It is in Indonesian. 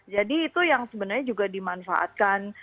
jadi itu yang sebenarnya juga dimanfaatkan